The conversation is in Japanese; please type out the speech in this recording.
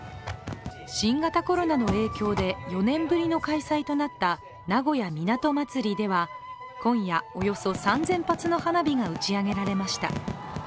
新型コロナの影響で４年ぶりの開催となった名古屋みなと祭では今夜、およそ３０００発の花火が打ち上げられました。